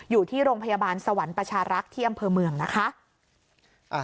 อยู่ที่โรงพยาบาลสวรรค์ประชารักษ์ที่อำเภอเมืองนะคะ